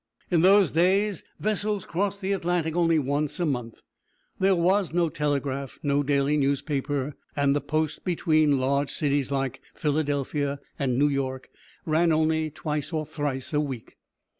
In those days, vessels crossed the Atlantic only once a month. There was no telegraph, no daily newspapers, and the post between large cities like Philadelphia and New York ran only twice or thrice a week.